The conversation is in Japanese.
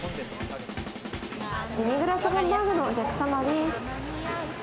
デミグラスハンバーグのお客様です。